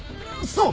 そう！